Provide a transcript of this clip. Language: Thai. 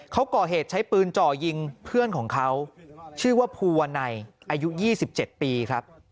เขาก่อเหตุใช้ปืนจ่อยิงเพื่อนของเขาชื่อว่าภูวนัยอายุ๒๗ปีครับ